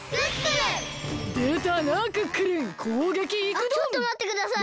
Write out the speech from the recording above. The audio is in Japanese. あっちょっとまってください。